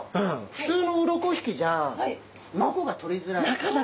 ふつうのうろこ引きじゃうろこが取りづらい。